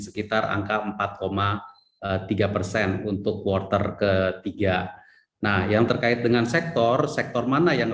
sekitar angka empat tiga persen untuk quarter ketiga nah yang terkait dengan sektor sektor mana yang